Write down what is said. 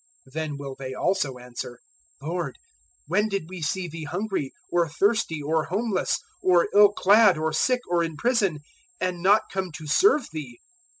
025:044 "Then will they also answer, "`Lord, when did we see Thee hungry or thirsty or homeless or ill clad or sick or in prison, and not come to serve Thee?'